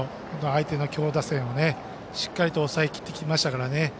相手の強打線をしっかりと抑えきりましたからね。